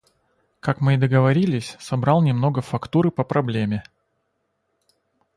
Как мы и договорились, собрал немного фактуры по проблеме.